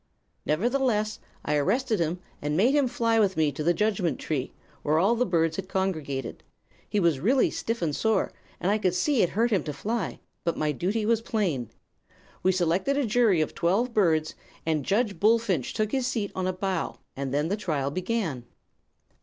"Nevertheless, I arrested him, and made him fly with me to the Judgment Tree, where all the birds had congregated. He was really stiff and sore, and I could see it hurt him to fly; but my duty was plain. We selected a jury of twelve birds, and Judge Bullfinch took his seat on a bough, and then the trial began.